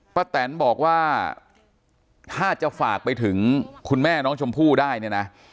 แตนบอกว่าถ้าจะฝากไปถึงคุณแม่น้องชมพู่ได้เนี่ยนะ